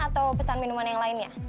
atau pesan minuman yang lainnya